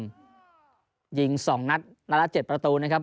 อายุต่างจุดนัดอีก๗ประตูนะครับ